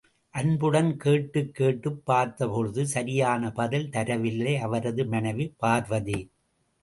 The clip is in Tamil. அன்புடன் கேட்டுக் கேட்டுப் பார்த்தபொழுது, சரியான பதில் தரவில்லை அவரது மனைவி பார்வதி.